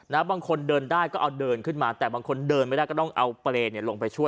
บางคนเดินได้ก็เอาเดินขึ้นมาแต่บางคนเดินไม่ได้ก็ต้องเอาเปรย์เนี่ยลงไปช่วย